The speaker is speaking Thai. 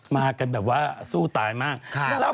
มากันแบบว่าสู้ตายมาก